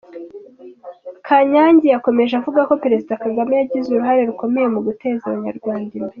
Kanyange yakomeje avuga ko Perezida Kagame yagize uruhare rukomeye mu guteza Abanyarwanda imbere.